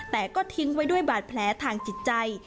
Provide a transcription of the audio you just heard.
แต่ก็ทิ้งไว้ด้วยบาดแผลทางจิตใจ